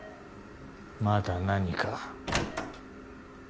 まだ何か？